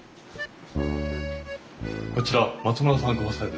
こちら松村さんご夫妻です。